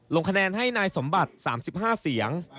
ลงคะแนนให้นายสมบัติ๓๕เสียง